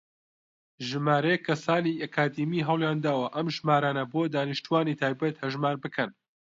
ژمارەیەک کەسانی ئەکادیمی هەوڵیانداوە ئەم ژمارانە بۆ دانیشتووانی تایبەت هەژمار بکەن.